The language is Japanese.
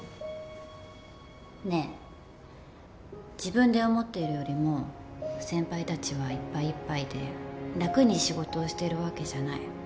ねえ自分で思っているよりも先輩たちはいっぱいいっぱいで楽に仕事をしてるわけじゃない。